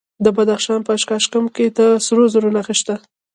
د بدخشان په اشکاشم کې د سرو زرو نښې شته.